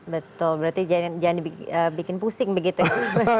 betul berarti jangan dibikin pusing begitu ya